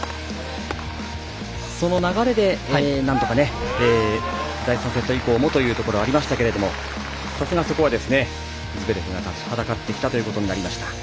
その流れで、なんとか第３セット以降もということがありましたがそこは、ズベレフが立ちはばかってきたということになりました。